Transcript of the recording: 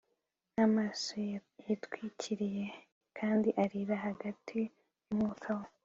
n'amaso yitwikiriye kandi arira hagati y'umwuka we